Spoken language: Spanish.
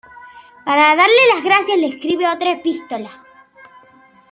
Para darle las gracias, le escribe otra epístola.